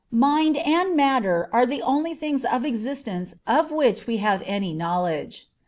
Mind and Matter are the only forms of existence of which we have any knowledge.